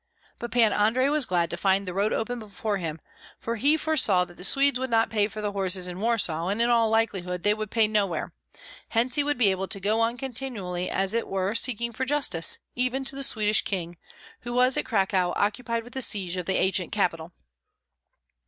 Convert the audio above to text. But Pan Andrei was glad to find the road open before him, for he foresaw that the Swedes would not pay for the horses in Warsaw, and in all likelihood they would pay nowhere, hence he would be able to go on continually as it were seeking for justice, even to the Swedish king, who was at Cracow occupied with the siege of the ancient capital.